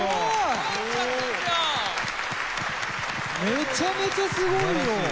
めちゃめちゃすごいよ！